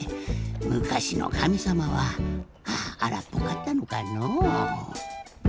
むかしのかみさまはあらっぽかったのかのう。